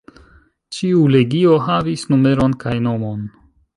Ĉiu legio havis numeron kaj nomon.